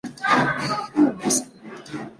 生母不详。